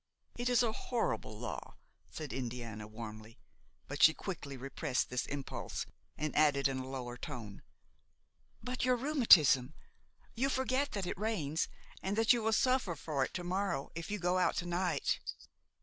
"It is a horrible law," said Indiana, warmly. But she quickly repressed this impulse and added in a lower tone: "But your rheumatism? You forget that it rains, and that you will suffer for it to morrow if you go out tonight."